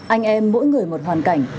anh em mỗi người một hoàn cảnh